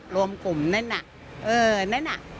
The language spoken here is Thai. รวมกลุ่มนั่นน่ะเออนั่นน่ะ